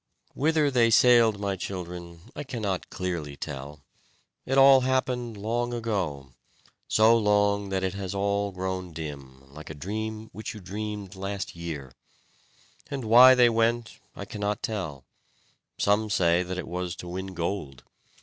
Whither they sailed, my children, I cannot clearly tell. It all happened long ago; so long that it has all grown dim, like a dream which you dreamed last year. And why they went, I cannot tell; some say that it was to win gold.